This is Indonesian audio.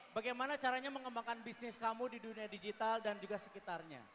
bagaimana caranya mengembangkan bisnis kamu di dunia digital dan juga sekitarnya